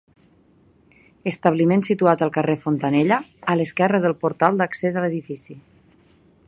Establiment situat al carrer Fontanella, a l'esquerre del portal d'accés a l'edifici.